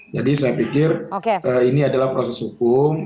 jadi saya pikir ini adalah proses hukum